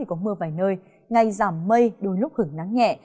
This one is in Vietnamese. có mưa vài nơi ngày giảm mây đôi lúc hưởng nắng nhẹ